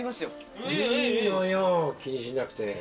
いいのよ気にしなくて。